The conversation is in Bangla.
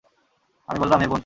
আমি বললাম, হে বোন!